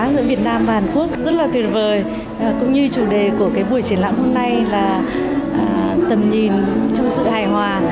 giữa hai nền văn hóa giữa việt nam và hàn quốc rất là tuyệt vời